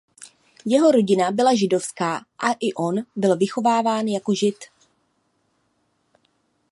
Jeho rodina byla židovská a i on byl vychováván jako žid.